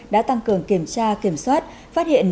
đã tăng cường kiểm tra kiểm soát phát hiện